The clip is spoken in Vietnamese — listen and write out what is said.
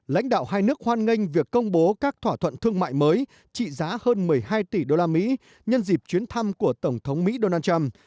lãnh đạo hai nước hoan nghênh việc công bố các thỏa thuận thương mại mới trị giá hơn một mươi hai tỷ usd nhân dịp chuyến thăm của tổng thống mỹ donald trump